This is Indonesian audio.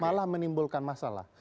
malah menimbulkan masalah